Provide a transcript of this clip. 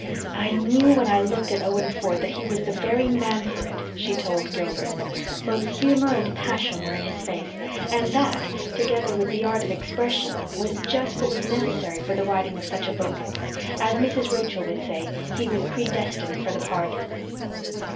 "I knew when I looked at Owen Ford that he was the very man for it," she told Gilbert. "Both humor and passion were in his face, and that, together with the art of expression, was just what was necessary for the writing of such a book. As Mrs. Rachel would say, he was predestined for the part."